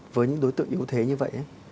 với những đối tượng yếu thế như vậy